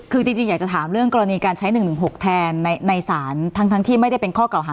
คือจริงอยากจะถามเรื่องกรณีการใช้๑๑๖แทนในศาลทั้งที่ไม่ได้เป็นข้อเก่าหา